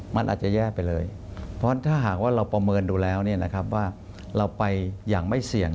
มันอาจจะแย่ไปเลยเพราะถ้าหากว่าเราประเมินดูแล้วว่าเราไปอย่างไม่เสี่ยง